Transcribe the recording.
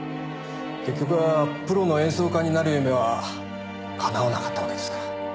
結局はプロの演奏家になる夢はかなわなかったわけですから。